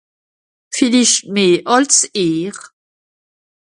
Villicht meh àls ìhr.